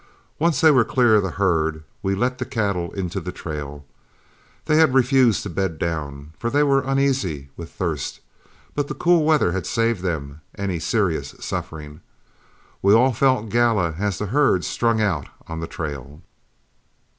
Once they were clear of the herd, we let the cattle into the trail. They had refused to bed down, for they were uneasy with thirst, but the cool weather had saved them any serious suffering. We all felt gala as the herd strung out on the trail.